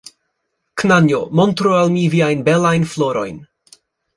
Knanjo! Montru al mi viajn belajn florojn!